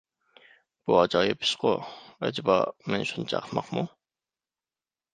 بۇ ئاجايىپ ئىشقۇ، ئەجەبا، مەن شۇنچە ئەخمەقمۇ؟